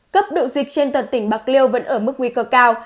cấp độ dịch trên toàn tỉnh bạc liêu vẫn ở mức nguy cơ cao